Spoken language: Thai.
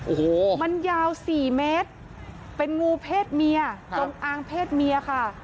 โอ้โหมันยาวสี่เมตรเป็นงูเพศเมียจงอางเพศเมียค่ะ